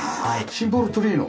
シンボルツリーの？